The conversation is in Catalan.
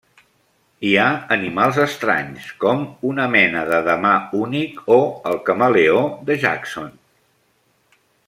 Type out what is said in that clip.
Hi ha animals estranys, com una mena de damà únic o el camaleó de Jackson.